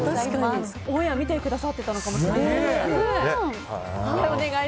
オンエア見てくださってたのかもしれない。